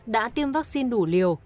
đã tiêm vaccine đủ liều